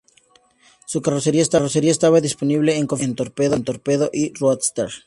Su carrocería estaba disponible en configuraciones de torpedo y roadster.